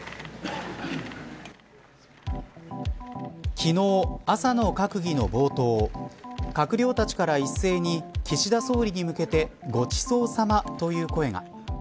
昨日、朝の閣議の冒頭閣僚たちから一斉に岸田総理に向けてごちそうさま、という声が。